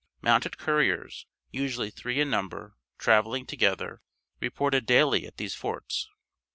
Mounted couriers, usually three in number, traveling together, reported daily at these forts.